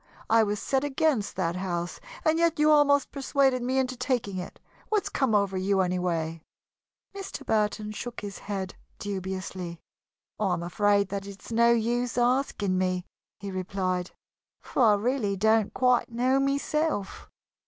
I was set against that house and yet you almost persuaded me into taking it. What's come over you, anyway?" Mr. Burton shook his head dubiously. "I am afraid that it is no use asking me," he replied, "for I really don't quite know myself."